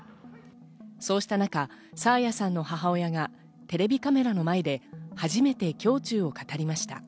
そうした中、爽彩さんの母親がテレビカメラの前で初めて胸中を語りました。